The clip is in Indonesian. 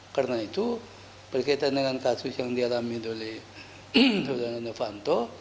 karena itu berkaitan dengan kasus yang dialami oleh pertianofanto